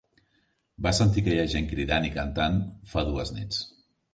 Vas sentir aquella gent cridant i cantant fa dues nits.